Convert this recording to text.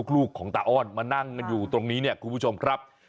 ลูกของตาอ้อนมานั่งกันอยู่ตรงนี้เนี่ยคุณผู้ชมครับ